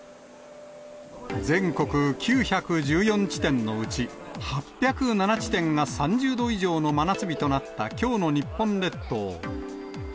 全国９１４地点のうち、８０７地点が３０度以上の真夏日となったきょうの日本列島。